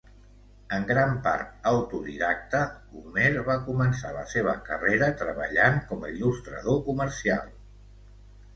En gran part autodidacta, Homer va començar la seva carrera treballant com a il·lustrador comercial.